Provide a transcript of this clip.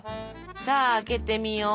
さあ開けてみよう。